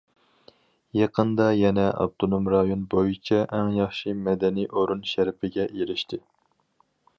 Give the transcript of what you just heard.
يېقىندا يەنە‹‹ ئاپتونوم رايون بويىچە ئەڭ ياخشى مەدەنىي ئورۇن›› شەرىپىگە ئېرىشتى.